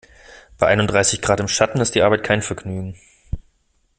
Bei einunddreißig Grad im Schatten ist die Arbeit kein Vergnügen.